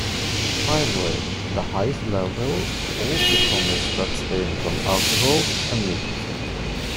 Finally, the highest level also promised to abstain from alcohol and meat.